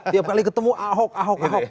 tiap kali ketemu ahok ahok ahok